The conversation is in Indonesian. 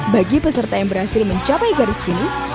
bagi peserta yang berhasil mencapai garis finish